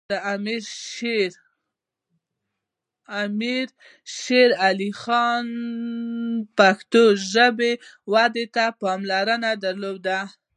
امیر شیر علی خان پښتو ژبې ودې ته پاملرنه درلوده.